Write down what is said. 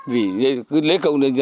vì lấy công